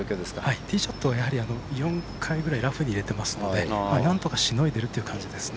ティーショットを４回ぐらいラフに入れてますのでなんとか、しのいでいるという感じですね。